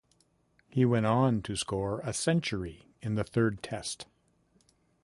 He went on to score a century in the third test.